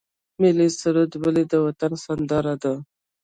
ملي سرود ولې د وطن سندره ده؟